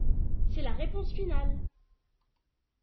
C'est la réponse finale.